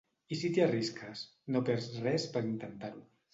I si t'hi arrisques? No perds res per intentar-ho.